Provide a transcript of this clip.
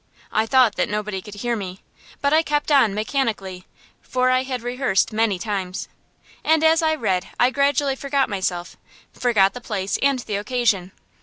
I thought that nobody could hear me. But I kept on, mechanically; for I had rehearsed many times. And as I read I gradually forgot myself, forgot the place and the occasion.